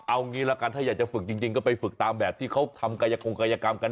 เอางี้ละกันถ้าอยากจะฝึกจริงก็ไปฝึกตามแบบที่เขาทำกายคงกายกรรมกัน